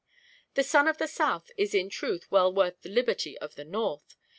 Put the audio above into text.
The sun of the south is in truth well worth the liberty of the north.